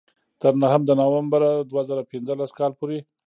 تر نهم د نومبر دوه زره پینځلس کال پورې.